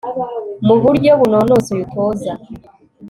mu buryo bunonosoye utoza